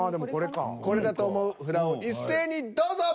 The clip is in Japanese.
これだと思う札を一斉にどうぞ。